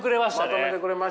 まとめてくれましたわ！